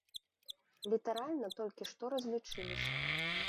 Літаральна толькі што разлічыліся.